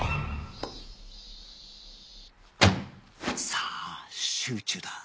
さあ集中だ